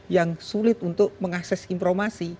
yang sulit untuk mengakses informasi